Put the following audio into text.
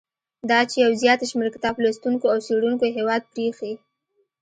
دا چې یو زیات شمیر کتاب لوستونکو او څېړونکو هیواد پریښی.